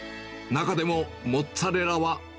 中でもモッツァレラは。